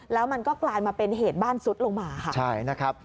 แล้วมันก็กลายมาเป็นเหตุบ้านซุดลงมาค่ะใช่นะครับ